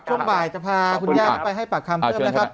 ช่วงบ่ายจะพาคุณย่าเข้าไปให้ปากคำเพิ่มนะครับ